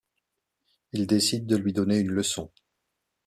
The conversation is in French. Il décide de lui donner une leçon.